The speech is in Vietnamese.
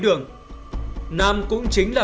đường nam cũng chính là